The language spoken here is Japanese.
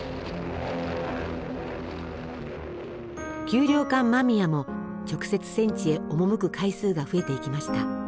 給糧艦間宮も直接戦地へ赴く回数が増えていきました。